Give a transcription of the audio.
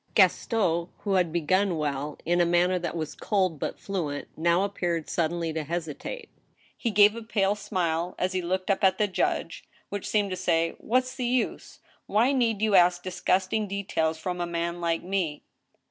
Gaston, who had begun well, in a manner that was cold but fluent, now appeared suddenly to hesitate. He gave a pale smile as he looked up at the judge, which seemed to say :" What's the use ? why need you ask disgusting de tails from a man like me?